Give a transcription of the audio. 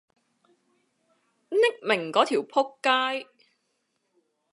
匿名嗰條僕街